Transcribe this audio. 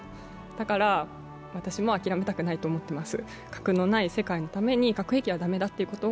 だから私も諦めたくないと思っています。